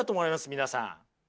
皆さん。